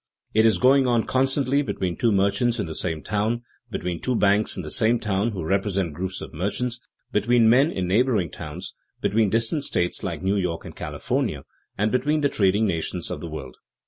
It is going on constantly between two merchants in the same town, between two banks in the same town who represent groups of merchants, between men in neighboring towns, between distant states like New York and California, and between the trading nations of the world.